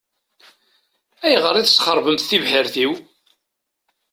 Ayɣer i tesxeṛbemt tibḥirt-iw?